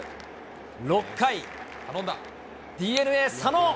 ６回、ＤｅＮＡ、佐野。